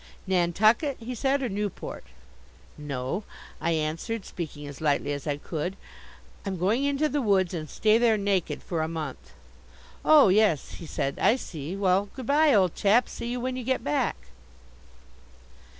"Nantucket," he said, "or Newport?" "No," I answered, speaking as lightly as I could. "I'm going into the woods and stay there naked for a month." "Oh, yes," he said. "I see. Well, good bye, old chap see you when you get back."